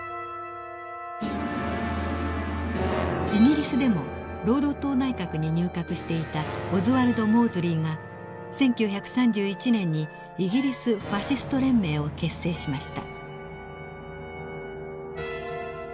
イギリスでも労働党内閣に入閣していたオズワルド・モーズリーが１９３１年にイギリス・ファシスト連盟を結成しました。